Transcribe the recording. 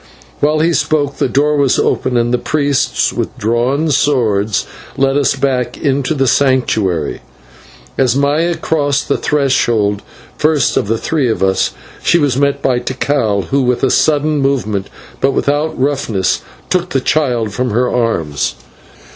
While he spoke, the door was opened, and the priests with drawn swords led us back into the Sanctuary. As Maya crossed the threshold first of the three of us, she was met by Tikal, who with a sudden movement, but without roughness, took the child from her arms.